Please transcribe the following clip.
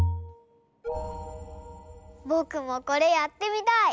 ぼくもこれやってみたい！